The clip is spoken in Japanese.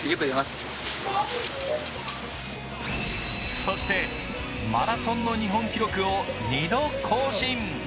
そして、マラソンの日本記録を２度更新。